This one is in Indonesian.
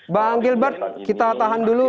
bang gilbert kita tahan dulu